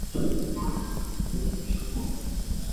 inatarajia kuwanyonga hadi kufa raia watatu wa philipins